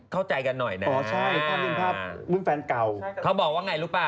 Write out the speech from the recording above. เขาพูดอย่างนั้นเหรอคะ